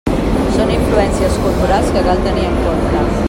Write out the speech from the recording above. Són influències culturals que cal tenir en compte.